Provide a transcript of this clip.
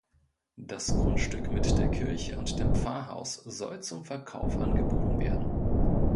Das Grundstück mit der Kirche und dem Pfarrhaus soll zum Verkauf angeboten werden.